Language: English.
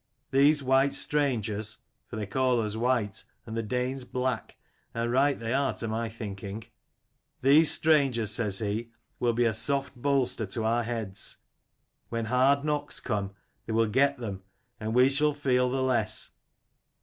These white strangers (for they call us white, and the Danes black, and right they are to my thinking) these strangers, says he, will be a soft bolster to our heads. When hard knocks come, they will get them, and we shall feel the less.